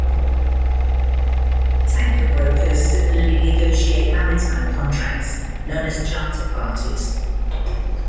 Tanker brokers similarly negotiate maritime contracts, known as Charter Parties.